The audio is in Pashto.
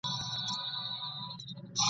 یو له بله یې په وینو وه لړلي ..